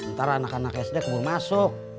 ntar anak anak sd keburu masuk